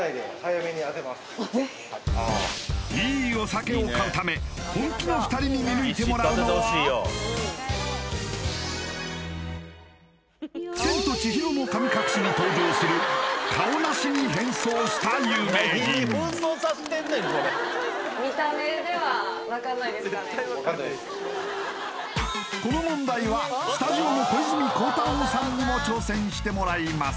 いいお酒を買うため本気の２人に見抜いてもらうのは「千と千尋の神隠し」に登場するカオナシに変装した有名人この問題はスタジオの小泉孝太郎さんにも挑戦してもらいます